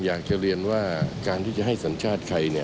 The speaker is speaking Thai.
อยากจะเรียนว่าการที่จะให้สัญชาติใครเนี่ย